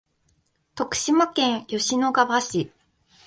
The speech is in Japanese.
徳島県吉野川市